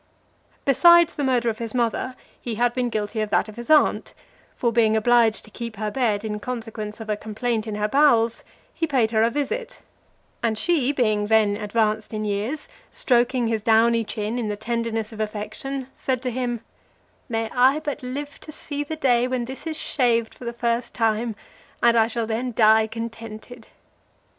Besides the murder of his mother, he had been guilty of that of his aunt; for, being obliged to keep her bed in consequence of a complaint in her bowels, he paid her a visit, and she, being then advanced in years, stroking his downy chin, in the tenderness of affection, said to him: "May I but live to see the day when this is shaved for the first time , and I shall then die contented."